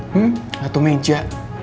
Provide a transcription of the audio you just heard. hmm gak tuh meja